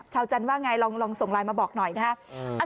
จันทร์ว่าไงลองส่งไลน์มาบอกหน่อยนะครับ